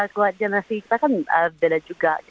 buat generasi kita kan beda juga